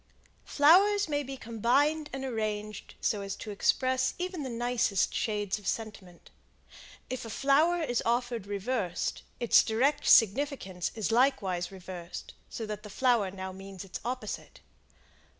Flowers may be combined and arranged so as to express even the nicest shades of sentiment. If a flower is offered reversed, its direct significance is likewise reversed, so that the flower now means its opposite.